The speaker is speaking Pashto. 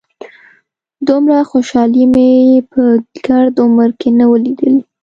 دومره خوشالي مې په ګرد عمر کښې نه وه ليدلې.